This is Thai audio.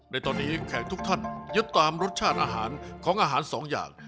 ในตอนนี้แขกทุกท่านยึดตามรสชาติอาหารของอาหารสองอย่าง